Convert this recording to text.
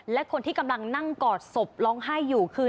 และคนที่กำลังนั่งกอดศพร้องไห้อยู่คือ